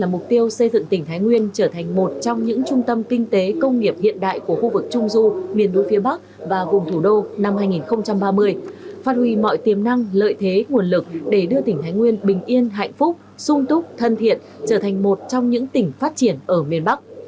mục tiêu xây dựng tỉnh thái nguyên trở thành một trong những trung tâm kinh tế công nghiệp hiện đại của khu vực trung du miền núi phía bắc và vùng thủ đô năm hai nghìn ba mươi phát huy mọi tiềm năng lợi thế nguồn lực để đưa tỉnh thái nguyên bình yên hạnh phúc sung túc thân thiện trở thành một trong những tỉnh phát triển ở miền bắc